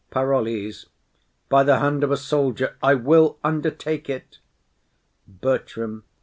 PAROLLES. By the hand of a soldier, I will undertake it. BERTRAM.